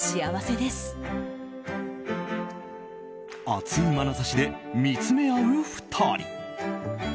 熱いまなざしで見つめ合う２人。